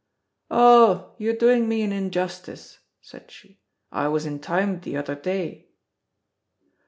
"Oh, you're doing me an injustice,", said she. "I was in time the other day."